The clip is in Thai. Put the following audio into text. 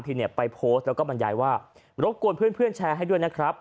เนี่ยไปโพสต์แล้วก็บรรยายว่ารบกวนเพื่อนแชร์ให้ด้วยนะครับ